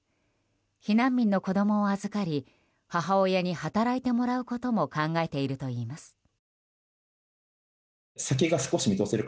避難民の子供を預かり母親に働いてもらうことも考えているといいます。